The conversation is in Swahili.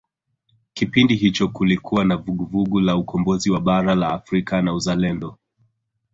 kipindi hicho kulikuwa na vuguvugu la ukombozi wa bara la afrika na uzalendo